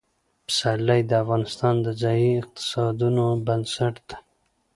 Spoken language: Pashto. پسرلی د افغانستان د ځایي اقتصادونو بنسټ دی.